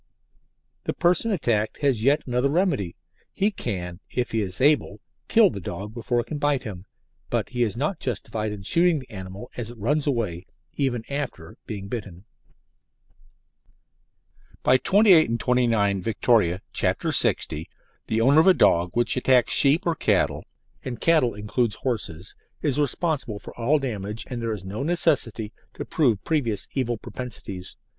The person attacked has yet another remedy. He can, if he is able, kill the dog before it can bite him, but he is not justified in shooting the animal as it runs away, even after being bitten. By 28 and 29 Vict., c. 60, the owner of a dog which attacks sheep or cattle and cattle includes horses is responsible for all damage, and there is no necessity to prove previous evil propensities.